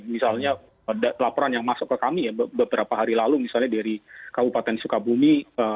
misalnya laporan yang masuk ke kami ya beberapa hari lalu misalnya dari kabupaten sukabumi